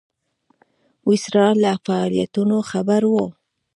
ویسرا له فعالیتونو خبر وو.